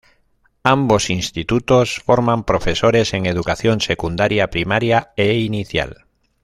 Ambos institutos forman profesores en educación secundaria, primaria e inicial.